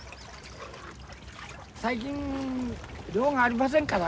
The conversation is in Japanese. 最近量がありませんからね。